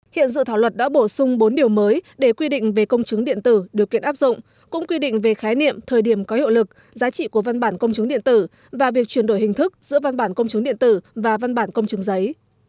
hiện dự thảo luật đã bổ sung bốn điều mới để quy định về công chứng điện tử điều kiện áp dụng cũng quy định về khái niệm thời điểm có hiệu lực giá trị của văn bản công chứng điện tử và việc chuyển đổi hình thức giữa văn bản công chứng điện tử và văn bản công chứng giấy